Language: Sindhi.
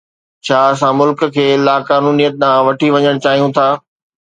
ڇا اسان ملڪ کي لاقانونيت ڏانهن وٺي وڃڻ چاهيون ٿا؟